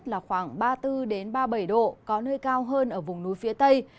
nhiệt độ cao nhất là khoảng ba mươi bốn ba mươi bảy độ có nơi cao hơn ở vùng núi phía tây